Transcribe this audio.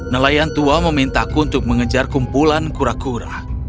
nelayan tua memintaku untuk mengejar kumpulan kura kura